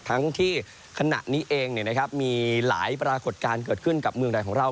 ทั้งที่ขณะนี้เองมีหลายปรากฏการณ์เกิดขึ้นกับเมืองใดของเรา